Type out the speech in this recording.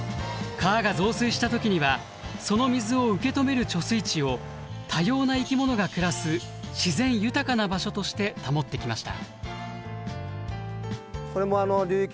川が増水した時にはその水を受け止める貯水池を多様な生き物が暮らす自然豊かな場所として保ってきました。